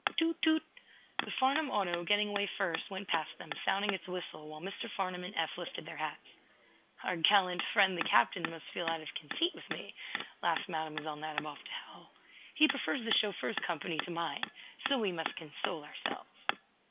"Toot! toot!" The Farnum auto, getting away first, went past them, sounding its whistle while Mr. Farnum and Eph lifted their hats. "Our gallant friend, the captain, must feel out of conceit with me," laughed Mlle. Nadiboff to Hal. "He prefers the chauffeur's company to mine. So we must console ourselves."